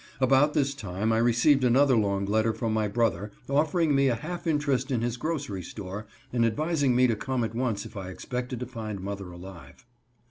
About this time I received another long letter from my brother, offering me a half interest in his grocery store, and advising me to come at once if I expected to find mother alive.